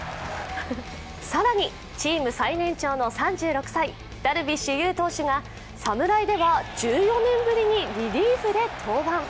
更にチーム最年長の３６歳、ダルビッシュ有投手が侍では、１４年ぶりにリリーフで登板。